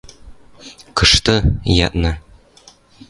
– Кышты? – ядна.